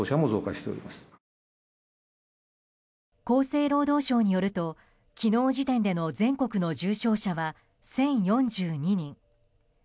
厚生労働省によると昨日時点での全国の重症者は１０４２人。